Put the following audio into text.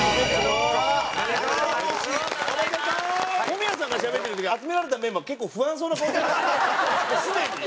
小宮さんがしゃべってる時集められたメンバー結構不安そうな顔して。